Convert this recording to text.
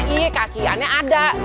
iya kaki ane ada